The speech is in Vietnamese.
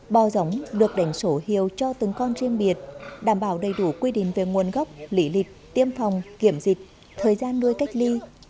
bò giống được đánh sổ hiếu cho từng con riêng biệt đảm bảo đầy đủ quy định về nguồn gốc lý lịch tiêm phòng kiểm dịch thời gian nuôi cách ly